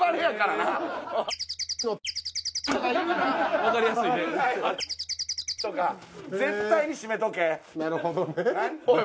なるほどね。